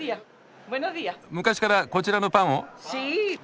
昔からこちらのパンを？